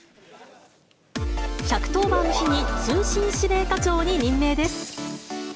１１０番の日に通信指令課長に任命です。